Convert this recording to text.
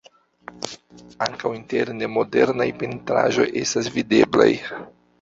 Ankaŭ interne modernaj pentraĵoj estas videblaj.